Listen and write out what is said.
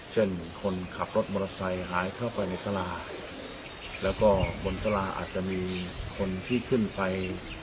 คนขับรถมอเตอร์ไซค์หายเข้าไปในสลาแล้วก็บนสาราอาจจะมีคนที่ขึ้นไป